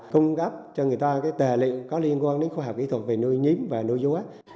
cung cấp cho người ta tề lịnh có liên quan đến khoa học kỹ thuật về nuôi nhím và nuôi rúi